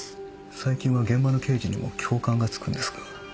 最近は現場の刑事にも教官がつくんですか。